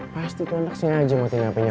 pasti kontaksnya aja matiin handphonenya